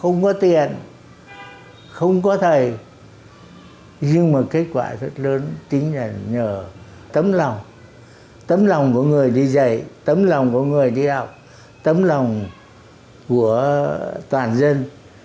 nhưng mà kết quả rất lớn chính là nhờ tấm lòng tấm lòng của người đi dạy tấm lòng của người đi học tấm lòng của toàn dân